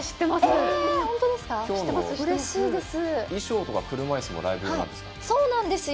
衣装が車いすのライブ用なんですか？